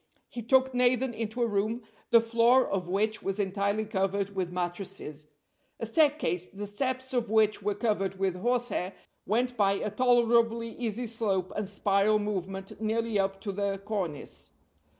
He took Nathan into a room, the floor of which was entirely covered with mattresses. A staircase, the steps of which were covered with horsehair, went by a tolerably easy slope and spiral movement nearly up to the cornice.